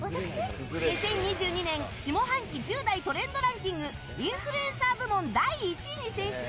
２０２２年下半期１０代トレンドランキングインフルエンサー部門第１位に選出！